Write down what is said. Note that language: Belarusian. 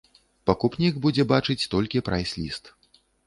Пакупнік будзе бачыць толькі прайс-ліст.